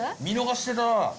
見逃してた。